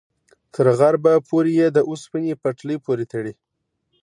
تر غربه پورې یې د اوسپنې پټلۍ پورې تړي.